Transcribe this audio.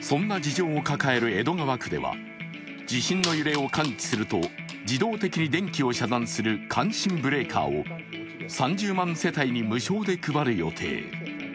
そんな事情を抱える江戸川区では地震の揺れを感知すると自動的に電気を遮断する感震ブレーカーを３０万世帯に無償で配る予定。